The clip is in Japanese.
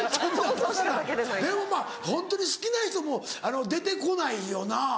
でもまぁホントに好きな人も出て来ないよな。